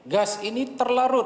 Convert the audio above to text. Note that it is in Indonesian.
gas ini terlarut